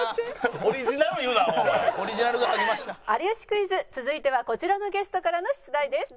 『有吉クイズ』続いてはこちらのゲストからの出題です。